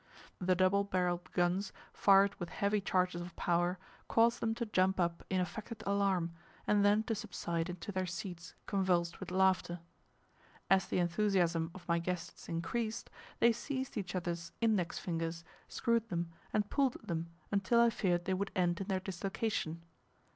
The double barrelled guns fired with heavy charges of power, caused them to jump up in affected alarm, and then to subside into their seats convulsed with laughter. As the enthusiasm of my guests increased, they seized each other's index fingers, screwed them, and pulled at them until I feared they would end in their dislocation.